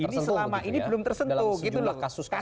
ini selama ini belum tersentuh